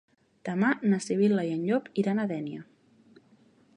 Demà na Sibil·la i en Llop iran a Dénia.